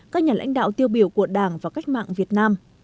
các nhà lãnh đạo tiêu biểu của đảng và cách mạng việt nam